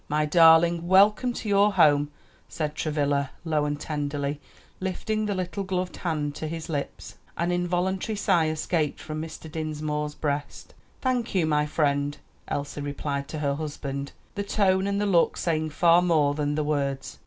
"My darling, welcome to your home," said Travilla low and tenderly, lifting the little gloved hand to his lips. An involuntary sigh escaped from Mr. Dinsmore's breast. "Thank you, my friend," Elsie replied to her husband, the tone and the look saying far more than the words.